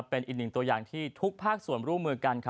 เป็นอีกหนึ่งตัวอย่างที่ทุกภาคส่วนร่วมมือกัน